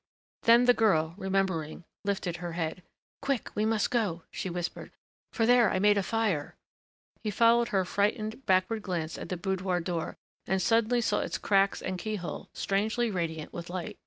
Then the girl, remembering, lifted her head. "Quick we must go," she whispered. "For there I made a fire " He followed her frightened, backward glance at the boudoir door and suddenly saw its cracks and key hole strangely radiant with light.